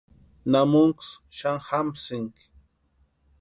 ¿Namunksï xani jamsïnki?